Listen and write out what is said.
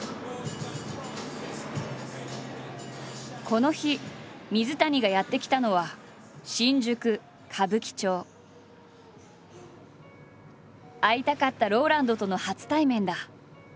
この日水谷がやって来たのは会いたかったＲＯＬＡＮＤとの初対面だ。